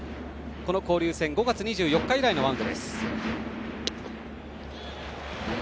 この交流戦５月２４日以来のマウンドです。